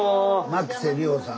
牧瀬里穂さんです。